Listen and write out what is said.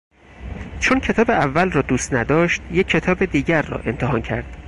چون کتاب اول را دوست نداشت یک کتاب دیگر را امتحان کرد.